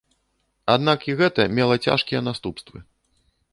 Аднак і гэта мела цяжкія наступствы.